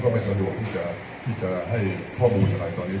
ไม่สะดวกให้ข้อบูรณ์ตอนนี้